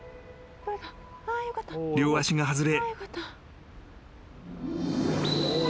［両足が外れ］